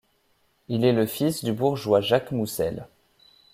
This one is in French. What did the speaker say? Il est le fils du bourgeois Jacques Mousel.